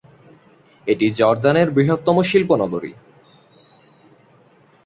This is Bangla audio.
এটি জর্দানের বৃহত্তম শিল্প নগরী।